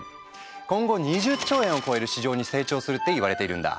今後２０兆円を超える市場に成長するっていわれているんだ。